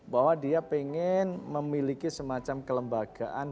bahwa dia ingin memiliki semacam kelembagaan